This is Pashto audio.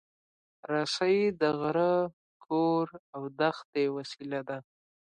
رسۍ د غره، کور، او دښتې وسیله ده.